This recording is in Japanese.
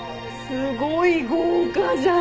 すごい豪華じゃん！